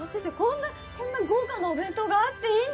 こんな豪華なお弁当があっていいんですか！？